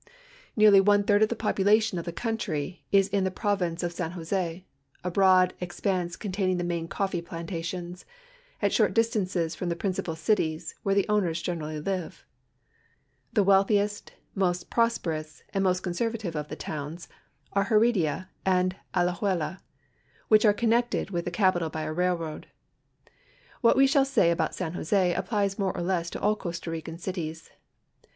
Nearly one third of the population of tiie country is in the province of San Jose, a liroad expanse containing the n)ain cofl'ee plantations, at siiort distances from tiie princi^jal cities, where tlie owners generally live. The wealthiest, most prosperous, an<l most conservative of tiie towns are Heredia and Alajuela, which are connected with the capital by a railroad. W'iiat we shall say about San Jose applies more or less to all Costa Rican cities.